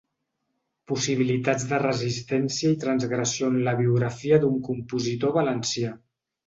Possibilitats de resistència i transgressió en la biografia d’un compositor valencià.